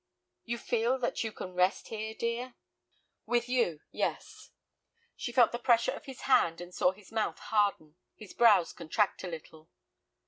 "You feel that you can rest here, dear?" "With you, yes." She felt the pressure of his hand, and saw his mouth harden, his brows contract a little.